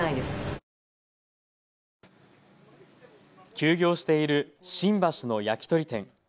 休業している新橋の焼き鳥店。